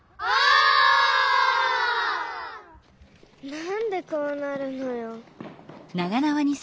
なんでこうなるのよ。